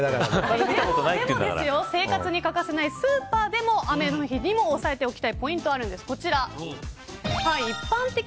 生活に欠かせないスーパーでも雨の日に押さえておきたいポイントがあるんです。